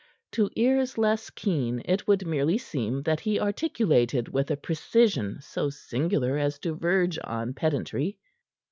To ears less keen it would merely seem that he articulated with a precision so singular as to verge on pedantry.